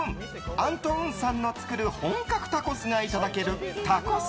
アントウンさんの作る本格タコスがいただけるタコス